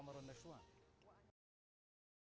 sebuah kota yang berbeda dengan olahraga di stadion